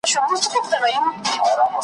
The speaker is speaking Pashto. د مُلا په عدالت کي د حق چیغه یم په دار یم ,